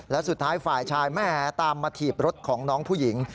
และสุดท้ายฝ่ายชายแม่ตามมาถีบรถของน้องผู้หญิง